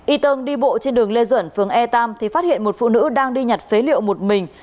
y tơn đi bộ trên đường lê duẩn phường e ba thì phát hiện một phụ nữ đang đi nhặt phế liệu một mình